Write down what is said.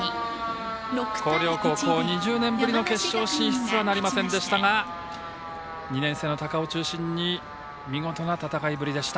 広陵高校、２０年ぶりの決勝進出はなりませんでしたが２年生の高尾を中心に見事な戦いぶりでした。